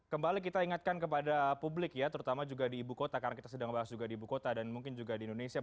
kembali kita ingatkan kepada publik ya terutama juga di ibu kota karena kita sedang bahas juga di ibu kota dan mungkin juga di indonesia